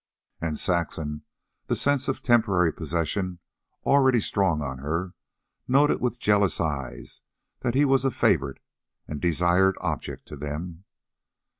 And Saxon, the sense of temporary possession already strong on her, noted with jealous eyes that he was a favorite and desired object to them.